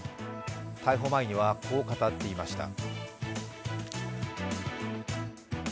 逮捕前にはこう語っていました。